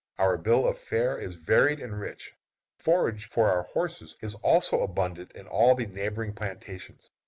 Our bill of fare is varied and rich. Forage for our horses is also abundant in all the neighboring plantations.